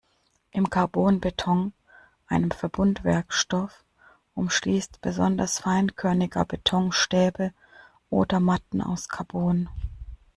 Im Carbonbeton, einem Verbundwerkstoff, umschließt besonders feinkörniger Beton Stäbe oder Matten aus Carbon.